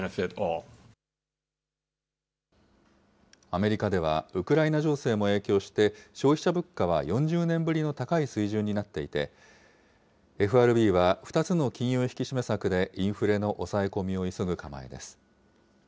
アメリカでは、ウクライナ情勢も影響して、消費者物価は４０年ぶりの高い水準になっていて、ＦＲＢは、２つの金融引き締め策で、インフレの抑え込みを急ぐ構えです。